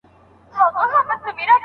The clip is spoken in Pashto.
یو باتور ملت غرقېږی یو مظبوط وطن نړېږي